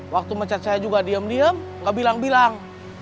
waktu mecat saya juga diem diem nggak bilang bilang